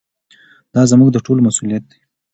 دا زموږ د ټولو مسؤلیت دی.